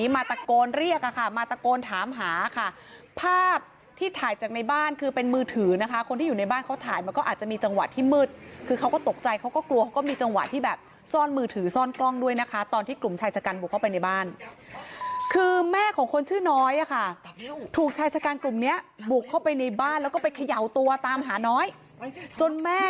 มาตะโกนเรียกอะค่ะมาตะโกนถามหาค่ะภาพที่ถ่ายจากในบ้านคือเป็นมือถือนะคะคนที่อยู่ในบ้านเขาถ่ายมันก็อาจจะมีจังหวะที่มืดคือเขาก็ตกใจเขาก็กลัวเขาก็มีจังหวะที่แบบซ่อนมือถือซ่อนกล้องด้วยนะคะตอนที่กลุ่มชายชะกันบุกเข้าไปในบ้านคือแม่ของคนชื่อน้อยอะค่ะถูกชายชะกันกลุ่มเนี้ยบุกเข้าไปในบ้านแล้วก็ไปเขย่าตัวตามหาน้อยจนแม่